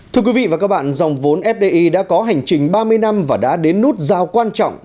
thưa quý vị và các bạn dòng vốn fdi đã có hành trình ba mươi năm và đã đến nút giao quan trọng